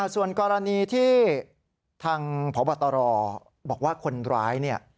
ส่วนกรณีที่ทางพบตรบอกว่าคนร้ายเนี่ย